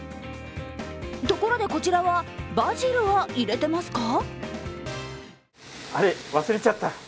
ところでこちらはバジルは入れていますか？